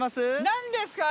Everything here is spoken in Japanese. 何ですか？